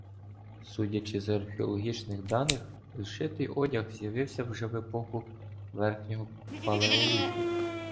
Судячи з археологічних даних, зшитий одяг з'явився вже в епоху верхнього палеоліту.